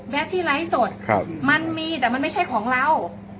ที่ไลฟ์สดมันมีแต่มันไม่ใช่ของเรา